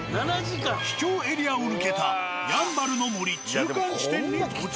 秘境エリアを抜けたやんばるの森中間地点に到着。